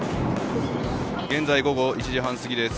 現在午後１時半すぎです。